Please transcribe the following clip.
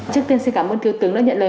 trước tiên xin cảm ơn thiếu tướng đã nhận lời